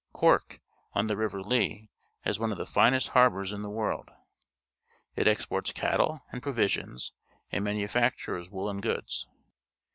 Cork, on the river Lee, has one of the finest harbours in the world. It exports cattle and provisions, and manufactures woollen goods.